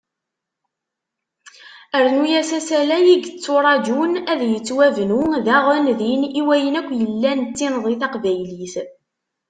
Rnu-as asalay i yetturaǧun ad yettwabnu daɣen din i wayen akk yellan d tinḍi taqbaylit.